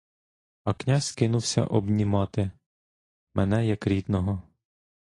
А князь кинувся обнімати мене, як рідного.